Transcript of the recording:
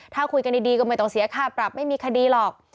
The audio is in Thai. ถ้าคุยกันดีก็ไม่ต้องเสียค่าปรับไม่มีคดีหรอก